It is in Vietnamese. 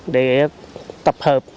để tập hợp